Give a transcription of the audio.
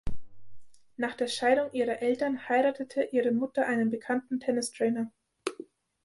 Nach der Scheidung ihrer Eltern heiratete ihre Mutter einen bekannten Tennistrainer.